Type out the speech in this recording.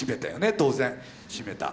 当然絞めた。